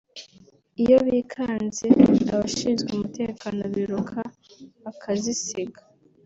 iyo bikanze abashinzwe umutekano biruka bakazisiga